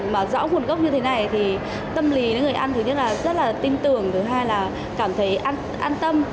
mà rõ nguồn gốc như thế này thì tâm lý người ăn thứ nhất là rất là tin tưởng thứ hai là cảm thấy an tâm